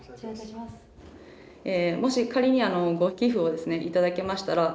もし仮にご寄付を頂けましたら。